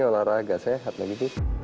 olahraga sehat lagi